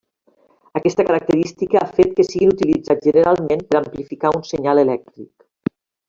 Aquesta característica ha fet que siguin utilitzats generalment per amplificar un senyal elèctric.